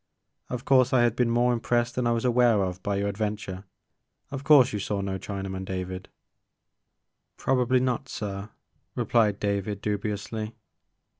Of course I had been more impressed than I was aware of by your adventure. Of course you saw no Chinaman, David." 30 Tlu Maker of Moons. Probably not sir,'* replied David dubiously.